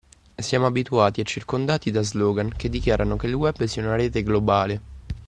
Siamo abituati e circondati da slogan che dichiarano che il web sia un rete globale.